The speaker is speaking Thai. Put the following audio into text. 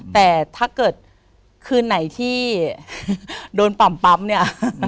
แต่ถ้าเกิดคืนไหนที่โดนป่ำปั๊มเนี่ย